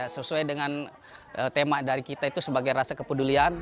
sesuai dengan tema dari kita itu sebagai rasa kepedulian